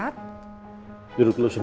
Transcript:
terima kasih han